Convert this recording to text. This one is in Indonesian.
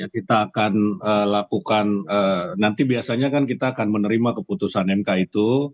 kita akan lakukan nanti biasanya kan kita akan menerima keputusan mk itu